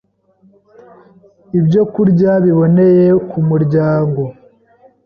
ibyokurya biboneye ku muryango